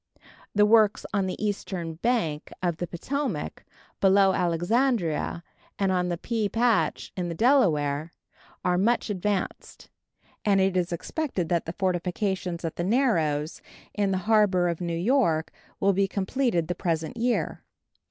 The works on the eastern bank of the Potomac below Alexandria and on the Pea Patch, in the Delaware, are much advanced, and it is expected that the fortifications at the Narrows, in the harbor of New York, will be completed the present year.